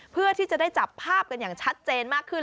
เพื่อที่จะได้จับภาพกันอย่างชัดเจนมากขึ้น